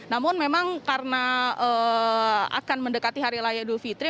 namun memang karena akan mendekati hari layak dulu fitri